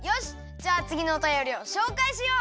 じゃあつぎのおたよりをしょうかいしよう。